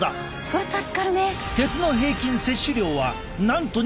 それ助かるね。